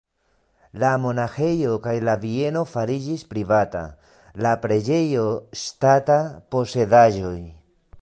La monaĥejo kaj la bieno fariĝis privata, la preĝejo ŝtata posedaĵoj.